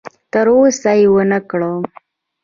تر اوسه یې ونه کړه.